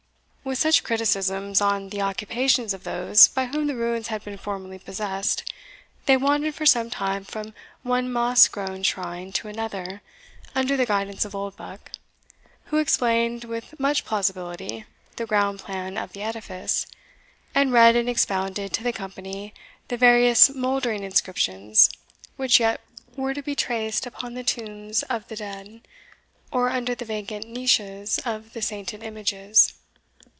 With such criticisms on the occupations of those by whom the ruins had been formerly possessed, they wandered for some time from one moss grown shrine to another, under the guidance of Oldbuck, who explained, with much plausibility, the ground plan of the edifice, and read and expounded to the company the various mouldering inscriptions which yet were to be traced upon the tombs of the dead, or under the vacant niches of the sainted images.